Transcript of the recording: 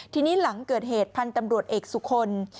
ทีนี้หลังเกิดเหตุพันธ์ตำรวจเอกสุคล